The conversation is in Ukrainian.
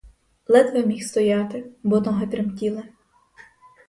Ледве міг стояти, бо ноги тремтіли.